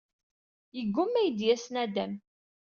Yeggumma ad iyi-d-yas naddam.